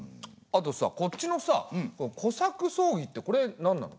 あとさこっちのさ小作争議ってこれ何なの？